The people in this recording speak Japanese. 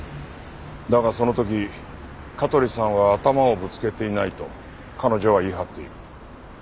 だがその時香取さんは頭をぶつけていないと彼女は言い張っている。